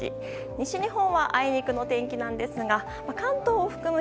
西日本はあいにくの天気ですが関東含む